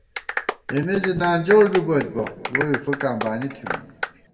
اېمے زی نانجوڑ بِبوئیت بہ، ووئی فُکاں بانی تھِمان